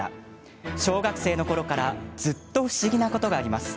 小学生のころからずっと不思議なことがあります。